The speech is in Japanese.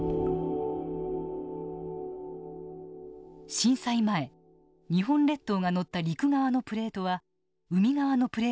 震災前日本列島が載った陸側のプレートは海側のプレートに押されていました。